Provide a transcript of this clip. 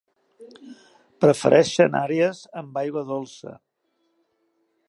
Prefereixen àrees amb aigua dolça.